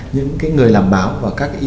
những người làm báo và các y bác sĩ